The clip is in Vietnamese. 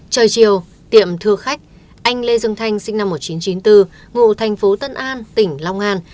trời chiều tiệm thưa khách anh lê dương thanh sinh năm một nghìn chín trăm chín mươi bốn ngụ thành phố tân an tỉnh long an